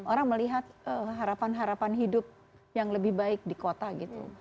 orang melihat harapan harapan hidup yang lebih baik di kota gitu